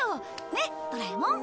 ねっドラえもん。